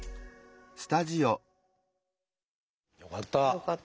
よかった。